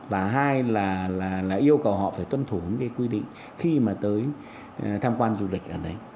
và hai là yêu cầu họ phải tuân thủ những quy định khi mà tới tham quan du lịch